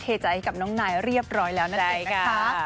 เทใจกับน้องนายเรียบร้อยแล้วนะสิค่ะ